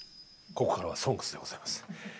ここからは「ＳＯＮＧＳ」でございます。